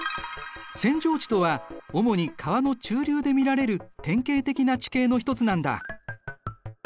扇状地とは主に川の中流で見られる典型的な地形の一つなんだ。